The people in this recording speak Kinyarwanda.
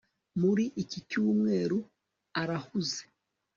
Muri iki cyumweru arahuze